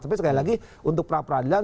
tapi sekali lagi untuk pra peradilan